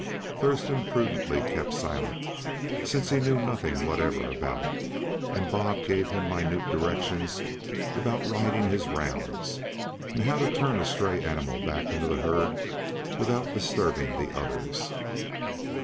Thurston prudently kept silent, since he knew nothing whatever about it, and Bob gave him minute directions about riding his rounds, and how to turn a stray animal back into the herd without disturbing the others.